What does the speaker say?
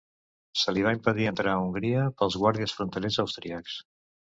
Se li va impedir entrar a Hongria pels guàrdies fronterers austríacs.